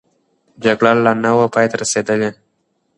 جګړه لا نه وه پای ته رسېدلې.